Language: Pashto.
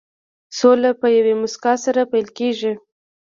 سوله په یوې موسکا سره پيل کېږي.